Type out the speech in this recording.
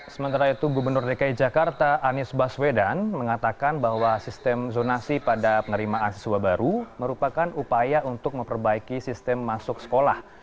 sementara itu gubernur dki jakarta anies baswedan mengatakan bahwa sistem zonasi pada penerimaan siswa baru merupakan upaya untuk memperbaiki sistem masuk sekolah